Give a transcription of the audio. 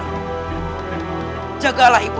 untuk dia yang memiliki ultimhl